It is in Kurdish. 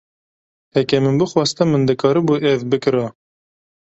Heke min bixwasta min dikaribû ev bikira.